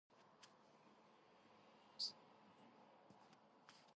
მეჰმედ-ფაშა აიდინის სანჯაყის მმართველი გახდა.